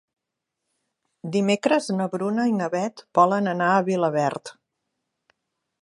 Dimecres na Bruna i na Beth volen anar a Vilaverd.